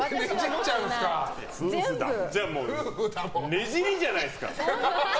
ねじりじゃないですか。